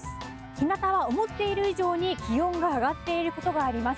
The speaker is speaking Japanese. ひなたは思っている以上に気温が上がっていることがあります。